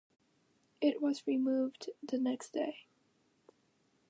It was removed the next day.